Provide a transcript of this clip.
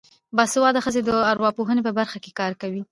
باسواده ښځې د ارواپوهنې په برخه کې کار کوي.